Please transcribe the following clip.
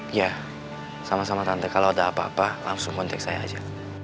iya sama sama tante kalau ada apa apa langsung kontek saya aja